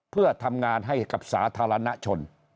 เพื่อทำงานให้กับสาธารณชน